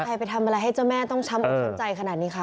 ไปทำอะไรให้เจ้าแม่ต้องช้ำอกช้ำใจขนาดนี้คะ